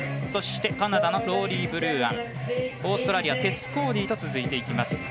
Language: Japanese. そして、カナダのローリー・ブルーアンオーストラリアテス・コーディと続きます。